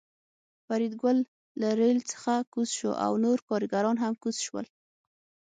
فریدګل له ریل څخه کوز شو او نور کارګران هم کوز شول